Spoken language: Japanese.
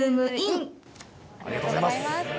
ありがとうございます。